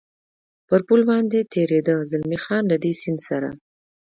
پر پل باندې تېرېده، زلمی خان: له دې سیند سره.